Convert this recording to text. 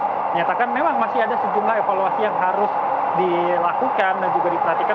menyatakan memang masih ada sejumlah evaluasi yang harus dilakukan dan juga diperhatikan